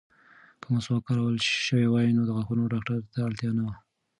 که مسواک کارول شوی وای، نو د غاښونو ډاکټر ته اړتیا نه وه.